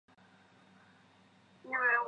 橄榄球冠军锦标赛。